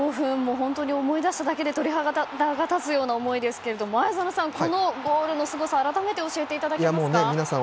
本当に思い出しただけで鳥肌が立つような思いですがこのゴールのすごさを改めて教えてください。